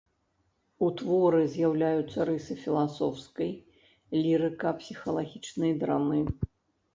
У творы з'яўляюцца рысы філасофскай, лірыка-псіхалагічнай драмы.